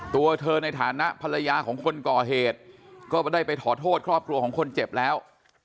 ตัวเธอในฐานะภรรยาของคนก่อเหตุก็ได้ไปขอโทษครอบครัวของคนเจ็บแล้ว